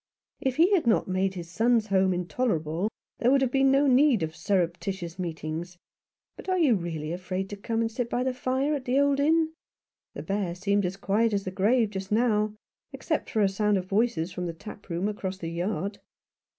" If he had not made his son's home intolerable there would have been no need of surreptitious meetings. But are you really afraid to come and sit by the fire at the old inn ? The Bear seemed as quiet as the grave just now — except for a sound of voices from the tap room across the yard."